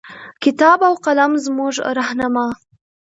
کتاب او قلم زمونږه رهنما